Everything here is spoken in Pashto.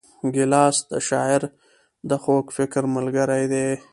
ګیلاس د شاعر د خوږ فکر ملګری دی.